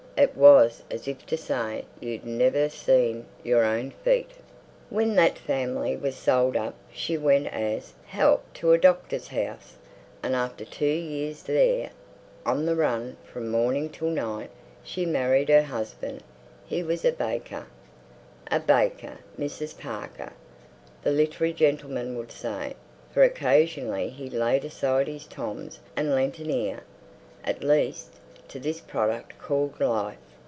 It was as if to say you'd never seen your own feet. When that family was sold up she went as "help" to a doctor's house, and after two years there, on the run from morning till night, she married her husband. He was a baker. "A baker, Mrs. Parker!" the literary gentleman would say. For occasionally he laid aside his tomes and lent an ear, at least, to this product called Life.